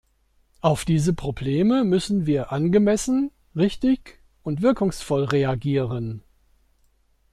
Auf diese Probleme müssen wir angemessen, richtig und wirkungsvoll reagieren.